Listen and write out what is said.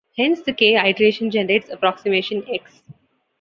Hence the "k" iteration generates approximation "x".